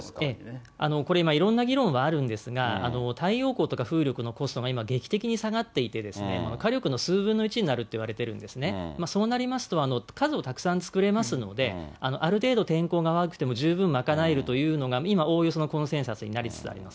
これ、今いろんな議論はあるんですが、太陽光とか風力のコストが今劇的に下がっていて、火力の数分の１になるっていわれているんですね、そうなりますと、数をたくさん作れますので、ある程度天候が悪くても十分賄えるというのが今、おおよそのコンセンサスになりつつあります。